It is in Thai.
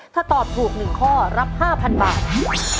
ถ้าตอบถูก๑ข้อรับ๕๐๐๐บาท